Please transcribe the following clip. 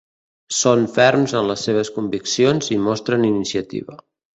Són ferms en les seves conviccions i mostren iniciativa.